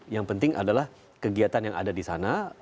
yang penting adalah kegiatan yang ada di sana